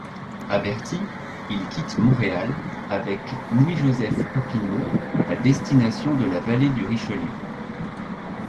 Averti, il quitte Montréal, avec Louis-Joseph Papineau, à destination de la vallée du Richelieu.